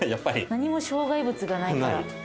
何も障害物がないから。